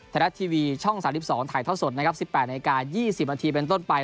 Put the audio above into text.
ไทยรัฐทีวีช่อง๓๒ถ่ายท่อสดนะครับ๑๘นาที๒๐นาทีเป็นต้นไป